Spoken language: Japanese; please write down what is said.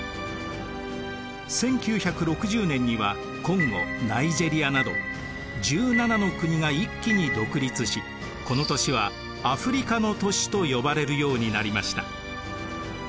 １９６０年にはコンゴナイジェリアなど１７の国が一気に独立しこの年はアフリカの年と呼ばれるようになりました。